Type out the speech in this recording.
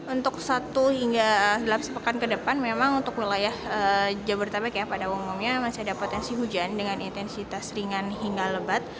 untuk satu hingga delapan sepekan ke depan memang untuk wilayah jabodetabek ya pada umumnya masih ada potensi hujan dengan intensitas ringan hingga lebat